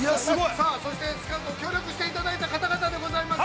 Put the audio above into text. さあ、そして、協力していただいた方々でございます。